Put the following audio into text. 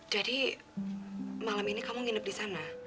jadi malam ini kamu nginep di sana